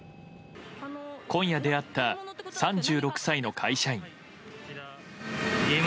今夜出会った、３６歳の会社員。